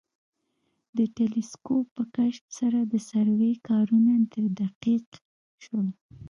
د تلسکوپ په کشف سره د سروې کارونه دقیق شول